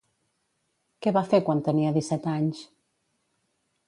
Què va fer quan tenia disset anys?